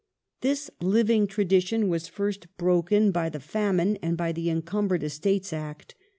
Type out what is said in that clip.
This living tradition was first broken by the famine and by the Encumbered Estates Act.